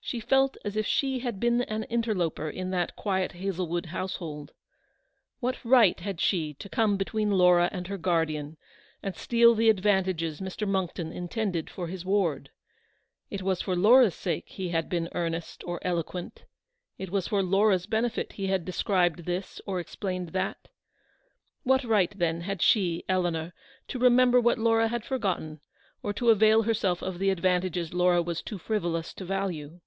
She felt as if she had been an interloper in that quiet Hazlewood house hold. What right had she to come between Laura and her guardian, and steal the advantages Mr. Monckton intended for his ward ? It was for Laura's sake he had been earnest or elouqent ; it was for Laura's benefit he had described this, or explained that. What right, then, had she, Eleanor, to remember what Laura had forgotten, or to avail herself of the advantages Laura was too frivolous to value